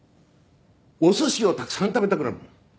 おすしをたくさん食べたくなる。